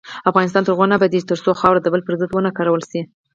افغانستان تر هغو نه ابادیږي، ترڅو خاوره د بل پر ضد ونه کارول شي.